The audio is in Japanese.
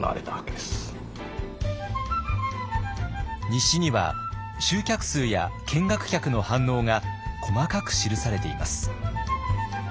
日誌には集客数や見学客の反応が細かく記されています。